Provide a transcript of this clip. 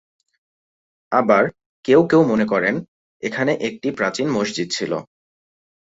আবার কেউ কেউ মনে করেন, এখানে একটি প্রাচীন মসজিদ ছিল।